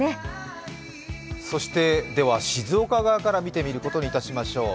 そして静岡側から見てみることにしましょう。